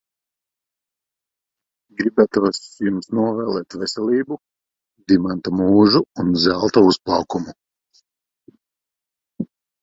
Gribētos jums novēlēt veselību, dimanta mūžu un zelta uzplaukumu.